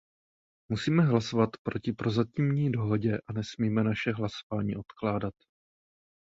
Musíme hlasovat proti prozatímní dohodě a nesmíme naše hlasování odkládat.